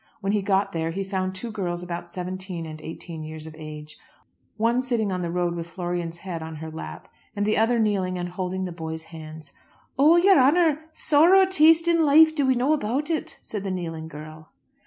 When he got there he found two girls about seventeen and eighteen years of age, one sitting on the road with Florian's head on her lap, and the other kneeling and holding the boy's hands. "Oh, yer honour! sorrow a taste in life do we know about it," said the kneeling girl.